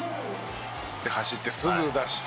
「で走ってすぐ出して」